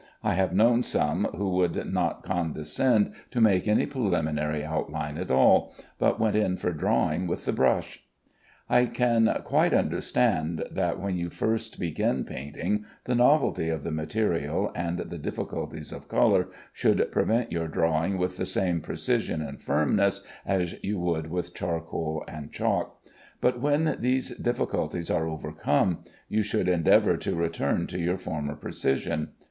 I have known some who would not condescend to make any preliminary outline at all, but went in for drawing with the brush. I can quite understand that when you first begin painting, the novelty of the material and the difficulties of color should prevent your drawing with the same precision and firmness as you would with charcoal and chalk; but when these difficulties are overcome, you should endeavor to return to your former precision.